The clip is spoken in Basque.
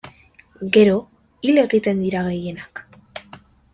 Gero, hil egiten dira gehienak.